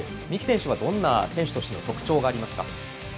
三木選手は、どんな選手としての特徴がありますか？